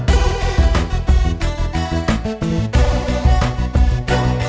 terima kasih bang edi